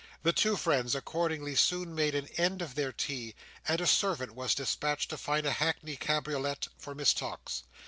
The two friends accordingly soon made an end of their tea, and a servant was despatched to fetch a hackney cabriolet for Miss Tox.